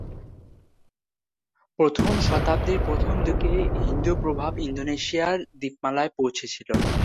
প্রথম শতাব্দীর প্রথম দিকে হিন্দু প্রভাব ইন্দোনেশীয় দ্বীপমালায় পৌঁছেছিল।